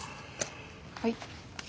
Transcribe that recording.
はい。